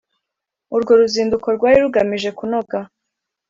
Urwo ruzinduko rwari rugamije kunoga.